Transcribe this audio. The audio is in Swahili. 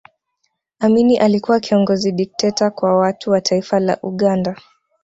amini alikuwa kiongozi dikteta Kwa watu wa taifa la Uganda